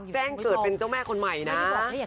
แจ้งกับเป็นแม่คนใหม่น้า